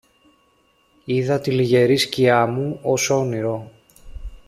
είδα τη λυγερή σκιά μου, ως όνειρο